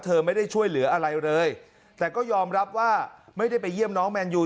เธอไม่ได้ช่วยเหลืออะไรเลยแต่ก็ยอมรับว่าไม่ได้ไปเยี่ยมน้องแมนยู